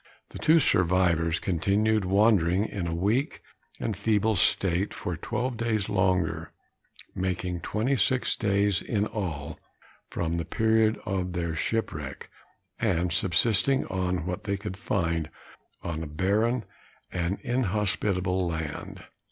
The two survivors continued wandering in a weak and feeble state for twelve days longer, making twenty six in all from the period of their shipwreck, and subsisting on what they could find on a barren and inhospitable land.